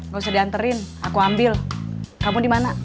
gak usah diantarin aku ambil kamu di mana